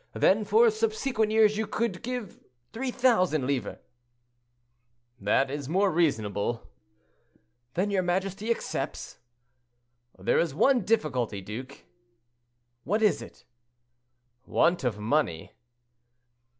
Then for subsequent years you could give 3,000 livres." "That is more reasonable." "Then your majesty accepts?" "There is only one difficulty, duke." "What is it?" "Want of money."